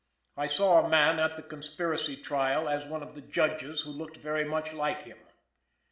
I saw a man at the conspiracy trial as one of the Judges who looked very much like him.